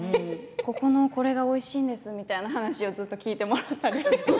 ここのこれがおいしいんですという話をずっと聞いてもらったり。